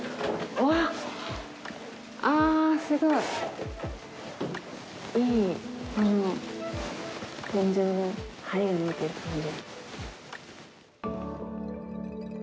うわっ、あ、すごい。いい、この天井のはりが見えている感じ。